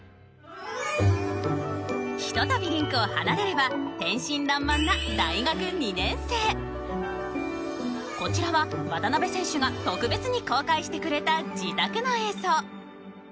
ひとたびリンクを離れれば天真爛漫なこちらは渡辺選手が特別に公開してくれた自宅の映像。